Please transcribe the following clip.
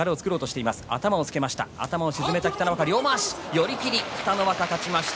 寄り切り北の若、勝ちました。